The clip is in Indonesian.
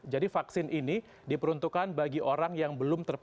jadi vaksin ini diperuntukkan bagi orang yang belum terbunuh